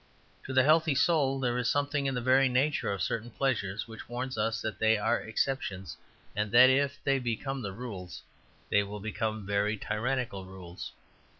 To the healthy soul there is something in the very nature of certain pleasures which warns us that they are exceptions, and that if they become rules they will become very tyrannical rules.